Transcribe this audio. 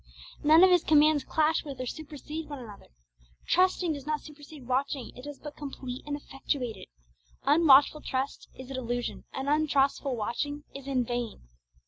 None of His commands clash with or supersede one another. Trusting does not supersede watching; it does but complete and effectuate it. Unwatchful trust is a delusion, and untrustful watching is in vain.